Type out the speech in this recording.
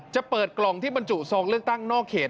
จะเปิดกล่องที่บรรจุซองเลือกตั้งนอกเขต